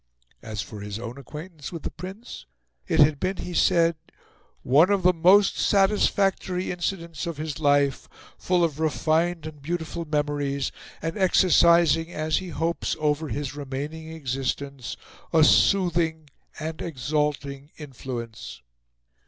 As for his own acquaintance with the Prince, it had been, he said, "one of the most satisfactory incidents of his life: full of refined and beautiful memories, and exercising, as he hopes, over his remaining existence, a soothing and exalting influence."